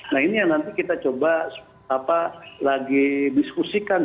nah ini yang nanti kita coba lagi diskusikan